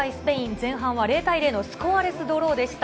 前半は０対０のスコアレスドローでした。